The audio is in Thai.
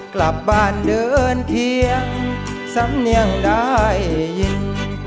กลับบ้านเดินเคียงสำเนียงได้ยิน